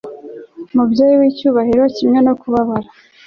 Numubyeyi wicyubahiro kimwe no kubabara